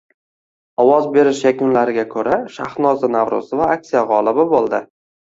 Ovoz berish yakunlariga koʻra, Shahnoza Navroʻzova aksiya gʻolibi boʻldi!